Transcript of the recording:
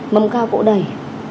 mâm cao cỗ đầy